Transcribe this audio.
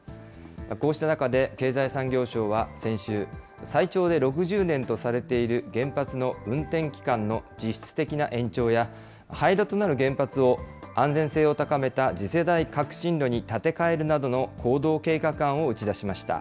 こうした中で、経済産業省は先週、最長で６０年とされている原発の運転期間の実質的な延長や、廃炉となる原発を安全性を高めた次世代革新炉に建て替えるなどの行動計画案を打ち出しました。